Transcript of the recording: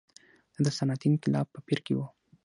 دا د صنعتي انقلاب په پېر کې و.